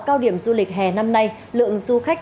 cao điểm du lịch hè năm nay lượng du khách